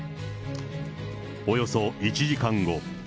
およそ１時間後。